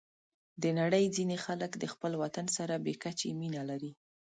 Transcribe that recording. د نړۍ ځینې خلک د خپل وطن سره بې کچې مینه لري.